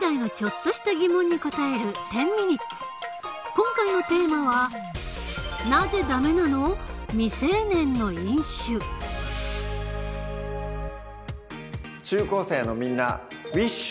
今回のテーマは中高生のみんなウィッシュ！